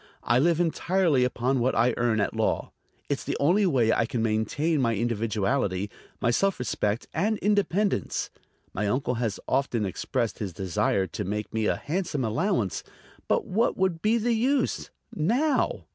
I live entirely upon what I earn at law. It's the only way I can maintain my individuality, my self respect and independence. My uncle has often expressed his desire to make me a handsome allowance, but what would be the use ... now?"